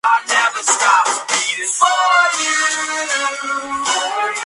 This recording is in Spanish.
Atapuerca recibe una invitación para tomar parte en ella.